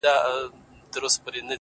o مستي؛ مستاني؛ سوخي؛ شنګي د شرابو لوري؛